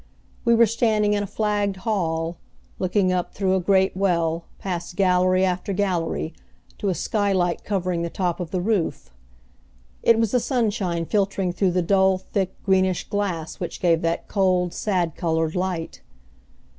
We were standing in a flagged hall, looking up through a great well, past gallery after gallery, to a skylight covering the top of the roof. It was the sunshine filtering through the dull, thick, greenish glass which gave that cold, sad colored light.